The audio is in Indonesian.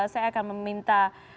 saya akan meminta